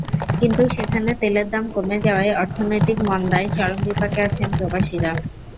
কিন্তু সেখানে তেলের দাম কমে যাওয়ায় অর্থনৈতিক মন্দায় চরম বিপাকে আছেন প্রবাসীরা।